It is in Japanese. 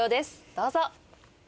どうぞ。